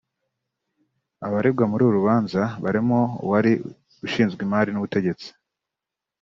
Abaregwa muri uru rubanza barimo uwari ushinzwe Imari n’Ubutegetsi